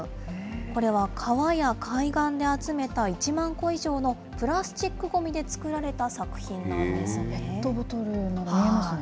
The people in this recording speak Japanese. これは川や海岸で集めた１万個以上のプラスチックごみで作られたペットボトルもありますね。